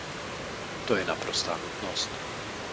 To je naprostá nutnost.